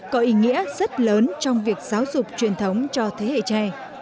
có ý nghĩa rất lớn trong việc giáo dục truyền thống cho thế hệ trẻ